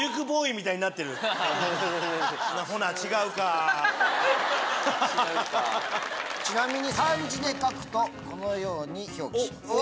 あれ⁉ちなみに漢字で書くとこのように表記します。